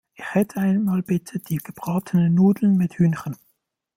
Ich hätte einmal bitte die gebratenen Nudeln mit Hühnchen.